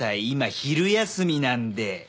今昼休みなんで！